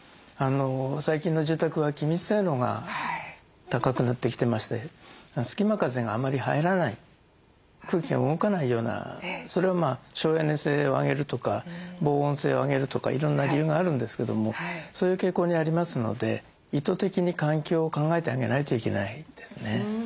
最近の住宅は気密性能が高くなってきてまして隙間風があまり入らない空気が動かないようなそれは省エネ性を上げるとか防音性を上げるとかいろんな理由があるんですけどもそういう傾向にありますので意図的に環境を考えてあげないといけないですね。